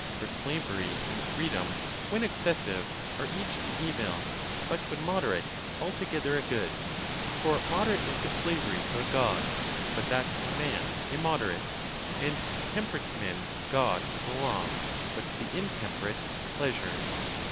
For slavery and freedom, when excessive, are each an evil; but, when moderate, alto gether a good; for moderate is the slavery to a god, but that to a man immoderate ; and, to temperate men god is a law, but to the intemperate, pleasure.